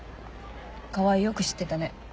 川合よく知ってたね。